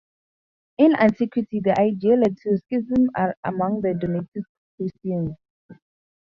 In antiquity, the idea led to a schism among the Donatist Christians.